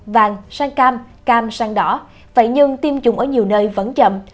vàng sang cam cam sang đỏ vậy nhưng tiêm chủng ở nhiều nơi vẫn chậm